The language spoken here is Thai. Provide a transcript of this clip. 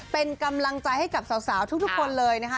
เป็นกำลังใจให้กับสาวทุกคนเลยนะคะ